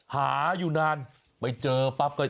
หาอยู่นานไปเจอปั๊บก็